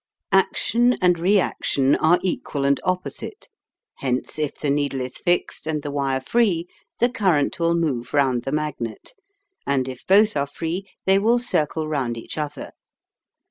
Action and re action are equal and opposite, hence if the needle is fixed and the wire free the current will move round the magnet; and if both are free they will circle round each other.